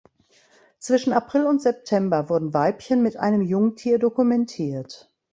Zwischen April und September wurden Weibchen mit einem Jungtier dokumentiert.